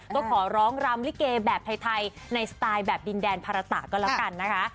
ก็ขอร้องรำลิเกแบบไทยในสไตล์แบบดินแดนภาระตะก็แล้วกันนะคะ